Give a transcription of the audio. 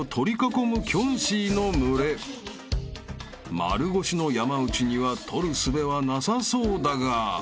［丸腰の山内には取るすべはなさそうだが］